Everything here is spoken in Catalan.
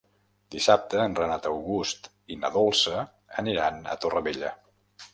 Dissabte en Renat August i na Dolça aniran a Torrevella.